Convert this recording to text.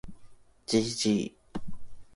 gg